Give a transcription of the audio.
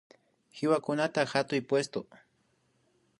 Wiwakunata hatuy pushtu